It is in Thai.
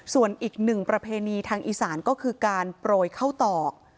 ส่วนอีกหนึ่งประเพณีทางอีสานก็คือการโปรยเข้าตอก